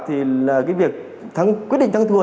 thì là cái việc quyết định thắng thua